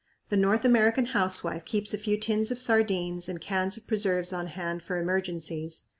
The North American housewife keeps a few tins of sardines and cans of preserves on hand for emergencies.